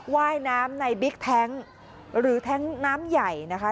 ว่ายน้ำในบิ๊กแท้งหรือแท้งน้ำใหญ่นะคะ